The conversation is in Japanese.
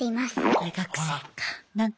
大学生か。